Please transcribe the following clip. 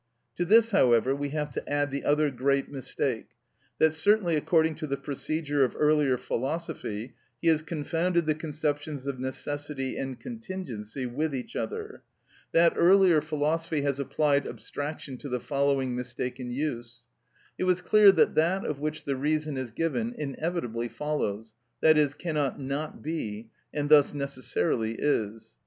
To this, however, we have to add the other great mistake, that, certainly according to the procedure of earlier philosophy, he has confounded the conceptions of necessity and contingency with each other. That earlier philosophy has applied abstraction to the following mistaken use. It was clear that that of which the reason is given inevitably follows, i.e., cannot not be, and thus necessarily is.